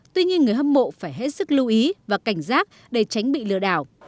tuy nhiên người hâm mộ phải hết sức lưu ý và cảnh giác để tránh bị lừa đảo